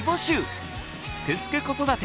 「すくすく子育て」